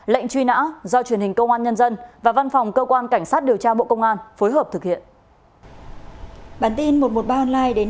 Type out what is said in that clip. lệnh truy nã do truyền hình công an nhân dân và văn phòng cơ quan cảnh sát điều tra bộ công an phối hợp thực hiện